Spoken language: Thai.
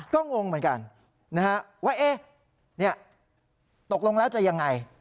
ก็งงเหมือนกันนะฮะว่าตกลงแล้วจะยังไง